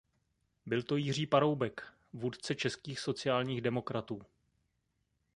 Byl to Jiří Paroubek, vůdce českých sociálních demokratů.